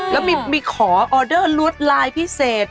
แล้วมีขอออเดอร์ลวดลายพิเศษ